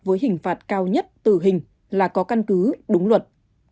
với hình phạt cao nhất tử hình là có căn cứ đúng luật